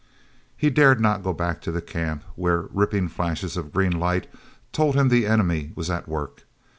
He dared not go back to the camp where ripping flashes of green light told him the enemy was at work.